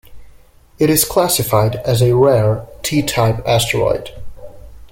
It is classified as a rare T-type asteroid.